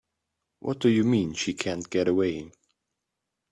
What do you mean she can't get away?